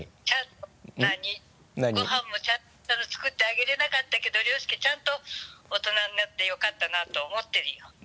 ちゃんと何ご飯もちゃんと作ってあげられなかったけど僚介ちゃんと大人になって良かったなと思ってるよ。